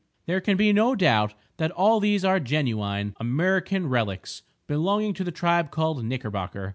There can be no doubt that all these are genuine Amriccan relics belonging to the tribe called Knickerbocker.